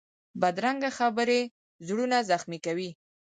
بدرنګه خبرې زړونه زخمي کوي